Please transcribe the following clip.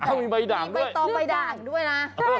มีใบตองใบด่างด้วยนะ